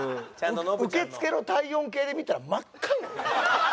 受付の体温計で見たら真っ赤よ。